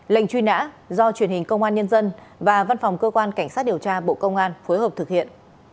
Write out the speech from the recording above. lệnh truy nã do truyền hình công an nhân dân và văn phòng cơ quan cảnh sát điều tra bộ công an phối hợp thực hiện